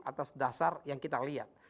atas dasar yang kita lihat